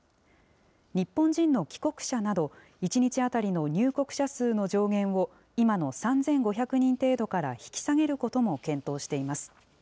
日本人の帰国者など、１日当たりの入国者数の上限を、今の３５００人程度から引き下げることも検討しています。